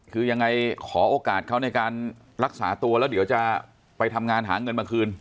คือยังไงขอโอกาสเขาในการรักษาตัวแล้วเดี๋ยวจะไปทำงานหาเงินมาคืน